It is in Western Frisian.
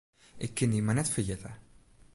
Ik kin dy mar net ferjitte.